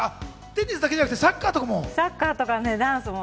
テニスだけじゃなくてサッカーも。